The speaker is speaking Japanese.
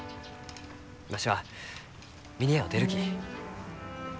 わしは峰屋を出るき。